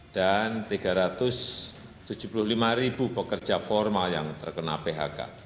tiga ratus tujuh puluh lima ribu pekerja formal yang terkena phk